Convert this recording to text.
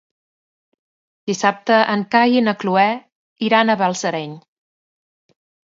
Dissabte en Cai i na Cloè iran a Balsareny.